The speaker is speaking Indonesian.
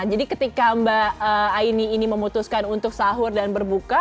jadi ketika mbak aini ini memutuskan untuk sahur dan berbuka